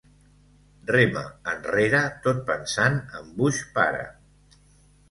Rema enrere tot pensant en Bush pare.